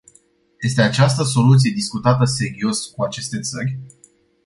Este această soluție discutată serios cu aceste țări?